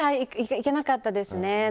いけなかったですね。